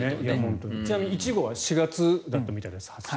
ちなみに１号は発生は４月だったみたいです。